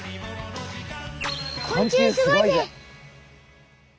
「昆虫すごいぜ！」。